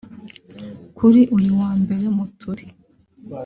Kuri uyu wa mbere Muturi